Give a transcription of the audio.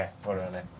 これはね。